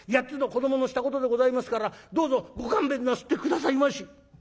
８つの子どものしたことでございますからどうぞご勘弁なすって下さいまし」。